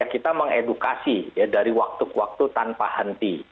kita mengedukasi dari waktu ke waktu tanpa henti